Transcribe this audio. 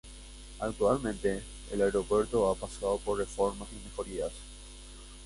Actualmente, el aeropuerto ha pasado por reformas y mejorías.